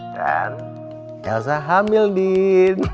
dan elsa hamil din